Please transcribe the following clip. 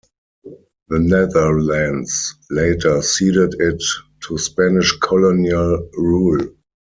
The Netherlands later ceded it to Spanish colonial rule.